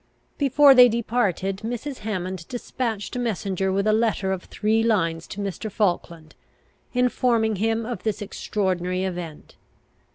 Before they departed, Mrs. Hammond despatched a messenger with a letter of three lines to Mr. Falkland, informing him of this extraordinary event.